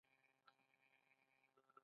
چین لوړې تکنالوژۍ صنعتونو ته مخه کړه.